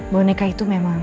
boneka itu memang